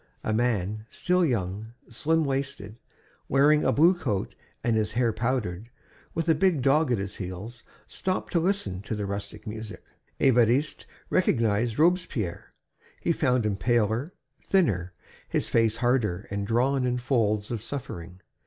A man, still young, slim waisted, wearing a blue coat and his hair powdered, with a big dog at his heels, stopped to listen to the rustic music. Évariste recognized Robespierre. He found him paler, thinner, his face harder and drawn in folds of suffering.